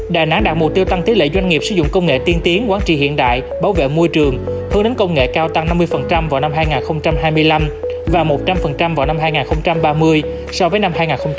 đà nẵng đạt mục tiêu tăng tỷ lệ doanh nghiệp sử dụng công nghệ tiên tiến quán trị hiện đại bảo vệ môi trường hướng đến công nghệ cao tăng năm mươi vào năm hai nghìn hai mươi năm và một trăm linh vào năm hai nghìn ba mươi so với năm hai nghìn hai mươi